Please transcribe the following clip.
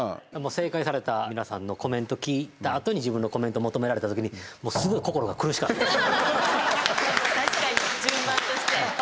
正解された皆さんのコメント聞いたあとに自分のコメント求められたときにすごい心が苦しかったです。